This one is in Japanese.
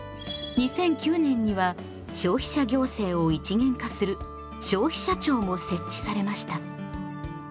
２００９年には消費者行政を一元化する消費者庁も設置されました。